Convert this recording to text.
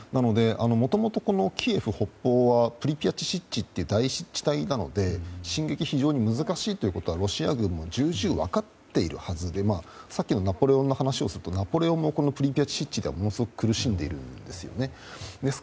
もともとキーウ北方は大湿地帯なので進撃が難しいということがロシア軍も重々分かっているはずでさっきのナポレオンの話をするとナポレオンもこの湿地ではものすごく苦しんでいるんですよね。